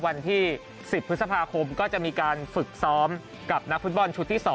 วันที่๑๐พฤษภาคมก็จะมีการฝึกซ้อมกับนักฟุตบอลชุดที่๒